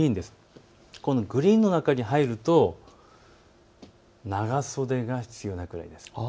このグリーンの中に入ると長袖が必要なぐらいです。